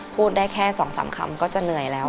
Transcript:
พูดได้แค่๒๓คำก็จะเหนื่อยแล้ว